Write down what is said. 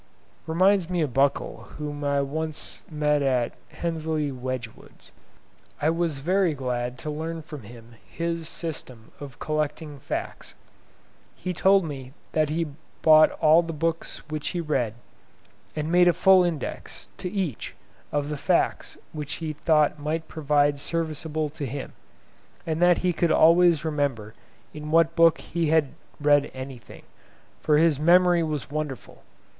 —reminds me of Buckle whom I once met at Hensleigh Wedgwood's. I was very glad to learn from him his system of collecting facts. He told me that he bought all the books which he read, and made a full index, to each, of the facts which he thought might prove serviceable to him, and that he could always remember in what book he had read anything, for his memory was wonderful.